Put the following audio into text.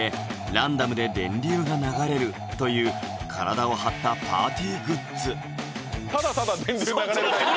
ランダムで電流が流れるという体を張ったパーティーグッズ